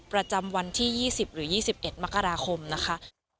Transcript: ประจำวันที่๒๐หรือ๒๑มกราคมนะคะ